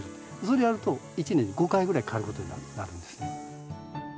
それでやると１年で５回ぐらい刈ることになるんですね。